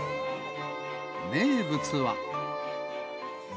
名物は。